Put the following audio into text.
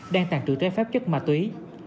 đang tàn trữ trái phép chất ma túy